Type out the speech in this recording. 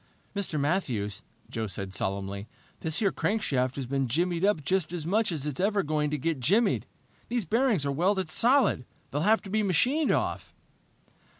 "Mr. Matthews," Joe said solemnly, "this here crankshaft has been jimmied up just as much as it's ever going to get jimmied. These bearings are welded solid. They'll have to be machined off!"